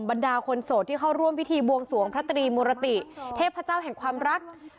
บรรดาคนโสดที่เข้าร่วมพิธีบวงสวงพระตรีมุรติเทพเจ้าแห่งความรัก